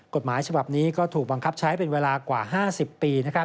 กฎหมายฉบับนี้ก็ถูกบังคับใช้เป็นเวลากว่า๕๐ปี